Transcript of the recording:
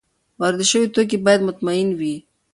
وارد شوي توکي باید مطمین وي.